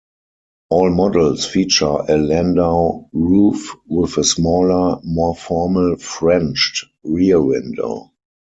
All models feature a landau roof with a smaller, more formal "frenched" rear window.